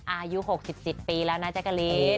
อายุ๖๗ปีแล้วนะแจ๊กกะลีน